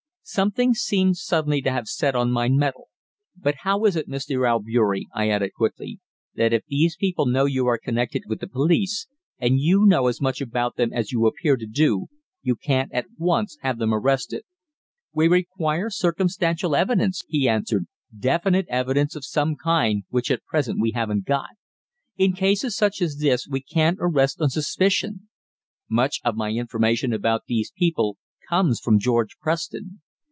Something seemed suddenly to have set me on my mettle. "But how is it, Mr. Albeury," I added quickly, "that if these people know you are connected with the police, and you know as much about them as you appear to do, you can't at once have them arrested?" "We require circumstantial evidence," he answered, "definite evidence of some kind, which at present we haven't got. In cases such as this we can't arrest on suspicion. Much of my information about these people comes from George Preston.